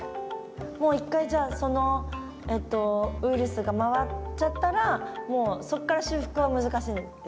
もう一回じゃあそのウイルスが回っちゃったらもうそこから修復は難しいんですか？